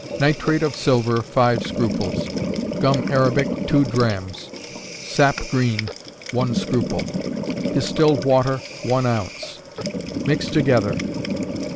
_ Nitrate of silver, five scruples; gum arabic, two drachms; sap green, one scruple; distilled water, one ounce; mix together.